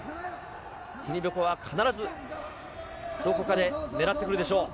ティニベコワは、必ずどこかで狙ってくるでしょう。